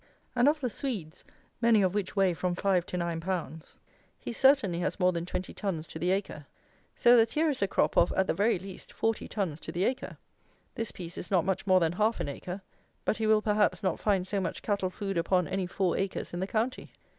And of the Swedes, many of which weigh from five to nine pounds, he certainly has more than twenty tons to the acre. So that here is a crop of, at the very least, forty tons to the acre. This piece is not much more than half an acre; but he will, perhaps, not find so much cattle food upon any four acres in the county.